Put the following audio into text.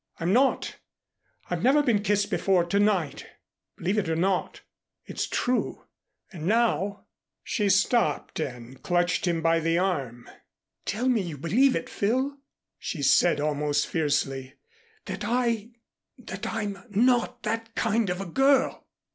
I'm not. I've never been kissed before to night, believe it or not. It's true, and now " She stopped and clutched him by the arm. "Tell me you believe it, Phil," she said almost fiercely, "that I that I'm not that kind of a girl."